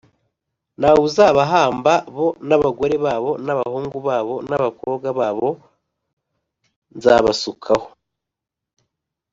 nta wuzabahamba bo n abagore babo n abahungu babo n abakobwa babo b Nzabasukaho